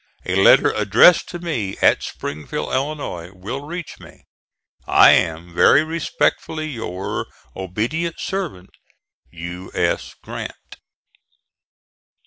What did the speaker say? A letter addressed to me at Springfield, Illinois, will reach me. I am very respectfully, Your obt. svt., U. S. GRANT.